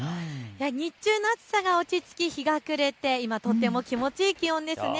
日中の暑さが落ち着き、日が暮れて今、とても気持ちいい気温です。